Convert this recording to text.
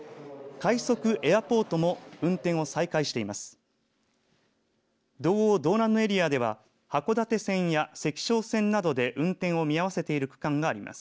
快速エアポートも運転を再開しています。